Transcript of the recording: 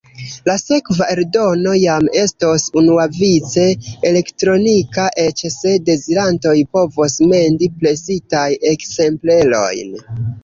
La sekva eldono jam estos unuavice elektronika, eĉ se dezirantoj povos mendi presitajn ekzemplerojn.